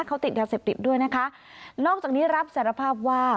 เขาติดยาเสพติดด้วยนะคะนอกจากนี้รับสารภาพว่า